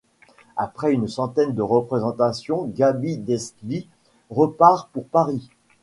Après une centaine de représentations, Gaby Deslys repart pour Paris.